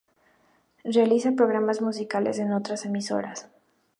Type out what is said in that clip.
Realiza programas musicales en otras emisoras.